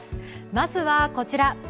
まずは、こちら。